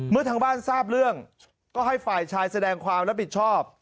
ทางบ้านทราบเรื่องก็ให้ฝ่ายชายแสดงความรับผิดชอบ